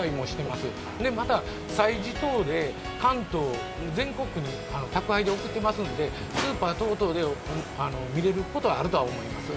また、催事等で関東、全国に宅配で送ってますのでスーパー等々で見れることはあるかとは思います。